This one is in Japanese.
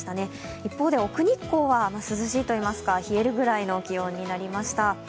一方で奥日光は涼しいといいますか、冷えるくらいの気温になりました。